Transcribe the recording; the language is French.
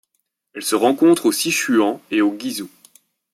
Elle se rencontre au Sichuan et au Guizhou.